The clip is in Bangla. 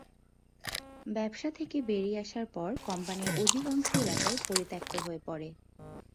ব্যবসা থেকে বেরিয়ে আসার পর কোম্পানির অধিকাংশ এলাকাই পরিত্যক্ত হয়ে পড়ে।